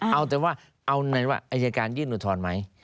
เอาแต่ว่าเอาเงินว่าอายการยื่นอุทธรณ์ไหม